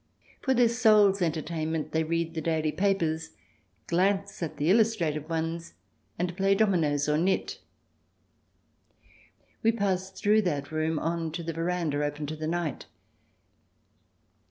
For their souls' enter tainment they read the daily papers, glance at the CH. x] WAITERS AND POLICEMEN 147 illustrated ones, and play dominoes or knit. We passed through that room on to the veranda open to the night.